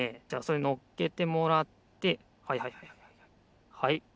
じゃあそれのっけてもらってはいはいはい。